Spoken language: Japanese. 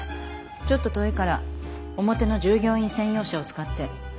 ちょっと遠いから表の従業員専用車を使って。